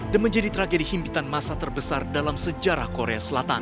dan menjadi tragedi himpitan masa terbesar dalam sejarah korea selatan